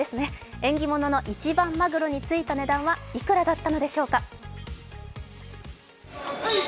縁起物の一番まぐろについた値段はいくらだったのでしょうか。